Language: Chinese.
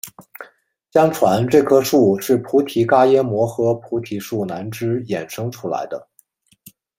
相传这棵树是菩提伽耶摩诃菩提树南枝衍生出来的。